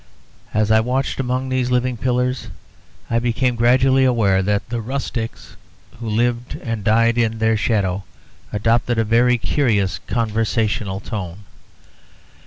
As I walked among these living pillars I became gradually aware that the rustics who lived and died in their shadow adopted a very curious conversational tone.